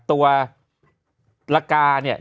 ตัวละกาเนี่ย